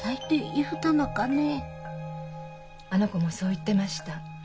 あの子もそう言ってました。